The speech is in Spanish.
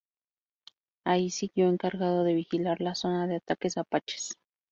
Ahí siguió encargado de vigilar la zona de ataques apaches.